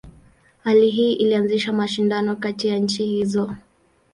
Hali hii ilianzisha mashindano kati ya nchi hizo.